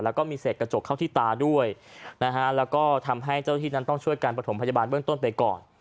แล้วก็มีเศษกระจกเข้าที่ตาด้วยนะฮะแล้วก็ทำให้เจ้าที่นั้นต้องช่วยการประถมพยาบาลเบื้องต้นไปก่อน